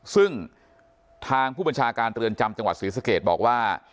ซึ่งทางผู้บัญชาการเรือนจำจังหวัดศรีสเกตบอกว่า